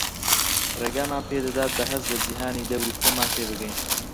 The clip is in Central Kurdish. ڕێگامان پێدەدات بە هەست لە جیهانی دەوری خۆمان تێبگەین